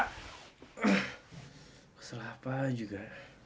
kesel apa juga